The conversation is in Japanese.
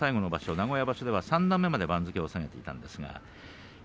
名古屋場所は三段目まで番付を下げていました。